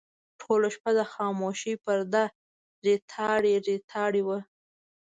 ټوله شپه د خاموشۍ پرده ریتاړې ریتاړې وه.